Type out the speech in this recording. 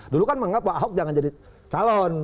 dulu kan menganggap pak ahok jangan jadi calon